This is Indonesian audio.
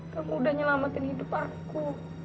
tapi kamu sudah menyelamatkan hidup aku